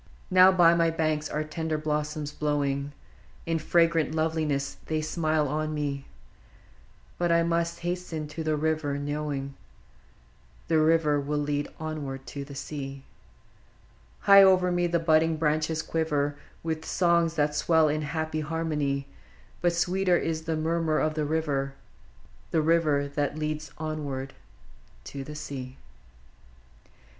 Now by my banks are tender blossoms blowing : In fragrant loveliness they smile on me, — But I must hasten to the river, knowing The river leadeth ever to the sea. High over me the budding branches quiver W;th songs that swell in happy harmony ; But sweeter is the murmur of the river, — The river that leads ever to the sea !